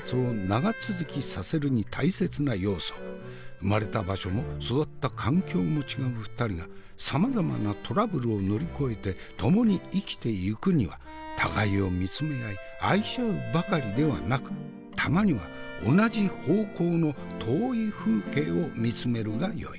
生まれた場所も育った環境も違う２人がさまざまなトラブルを乗り越えて共に生きてゆくには互いを見つめ合い愛し合うばかりではなくたまには同じ方向の遠い風景を見つめるがよい。